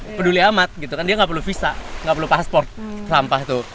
dia gak peduli amat gitu kan dia gak perlu visa gak perlu paspor sampah itu